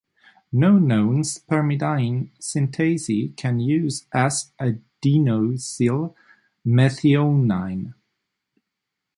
No known spermidine synthase can use "S"-adenosyl methionine.